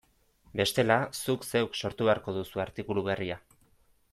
Bestela, zuk zeuk sortu beharko duzu artikulu berria.